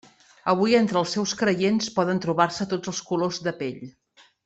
Avui entre els seus creients poden trobar-se tots els colors de pell.